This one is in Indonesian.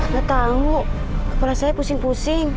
gak tau kepala saya pusing pusing